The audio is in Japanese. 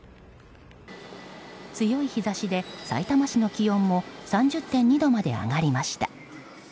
強い日差しでさいたま市の気温も３０．２度まで上がりました。